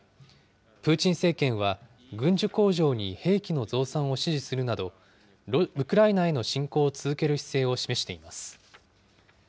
プーチン政権は軍需工場に兵器の増産を指示するなど、ウクライナへの侵攻を続ける姿勢を示しています。